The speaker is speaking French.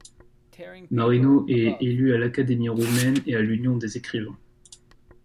Marino est élu à l'Académie roumaine et à l'Union des écrivains.